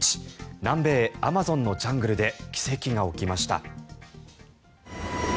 南米アマゾンのジャングルで奇跡が起きました。